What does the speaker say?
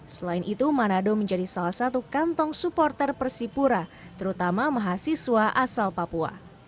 selain itu manado menjadi salah satu kantong supporter persipura terutama mahasiswa asal papua